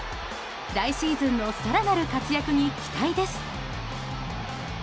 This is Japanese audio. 来シーズンの更なる活躍に期待です。